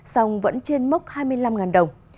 song vẫn trên mốc hai mươi năm đồng